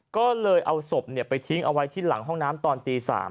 ก็เลยเอาศพไปทิ้งเอาไว้ที่หลังห้องน้ำตอนตี๓